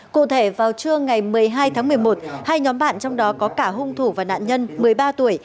cụ thể vào trưa ngày một mươi hai tháng một mươi một hai nhóm bạn trong đó có cả hung thủ và nạn nhân một mươi ba tuổi